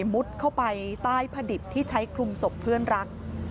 มุดเข้าไปใต้พระดิบที่ใช้คลุมศพเพื่อนรัก